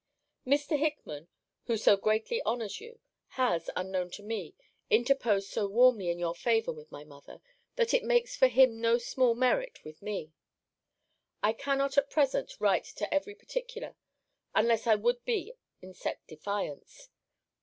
Mr. Hickman, who so greatly honours you, has, unknown to me, interposed so warmly in your favour with my mother, that it makes for him no small merit with me. I cannot, at present, write to every particular, unless I would be in set defiance.